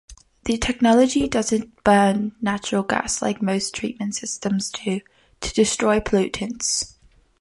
The technology doesn't burn natural gas like most treatment systems do to destroy pollutants.